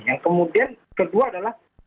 yang kemudian kedua adalah